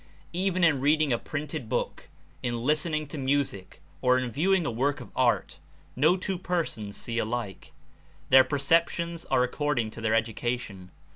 Even in reading a printed book, in listening to music or in viewing a work of art, no two persons see alike; their perceptions are according to their education.